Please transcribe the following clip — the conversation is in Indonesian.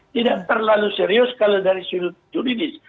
tidak terlalu serius kalau dari sudut juridis